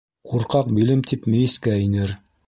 Ҡурҡаҡ «билем» тип, мейескә инер.